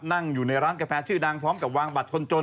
นั่งอยู่ในร้านกาแฟชื่อดังพร้อมกับวางบัตรคนจน